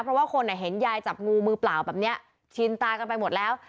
เพราะว่าคนเห็นยายจับงูมือเปล่าแบบนี้ชินตากันไปหมดแล้ว